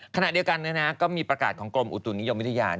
ขณะเดียวกันก็มีประกาศของกรมอุตุนิยมวิทยา